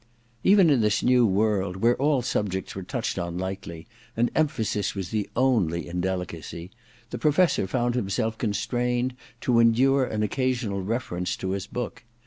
Even in this new world, where all subjects were touched on lightly, and emphasis was the only indelicacy, the Professor found himself constrained to endure an occasional reference to his book.